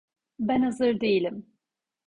Ben hazır değilim.